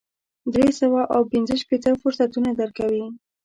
درې سوه او پنځه شپېته فرصتونه درکوي.